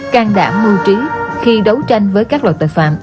càng đảm mưu trí khi đấu tranh với các loại tội phạm